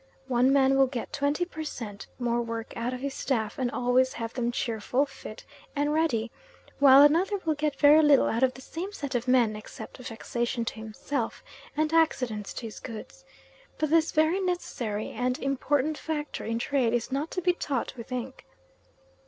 One man will get 20 per cent. more work out of his staff, and always have them cheerful, fit, and ready; while another will get very little out of the same set of men except vexation to himself, and accidents to his goods; but this very necessary and important factor in trade is not to be taught with ink.